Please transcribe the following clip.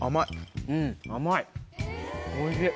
おいしい。